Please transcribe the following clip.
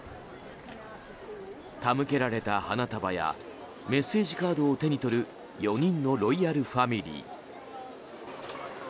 手向けられた花束やメッセージカードを手に取る４人のロイヤルファミリー。